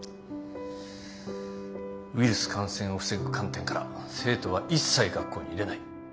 ウイルス感染を防ぐ観点から生徒は一切学校に入れない。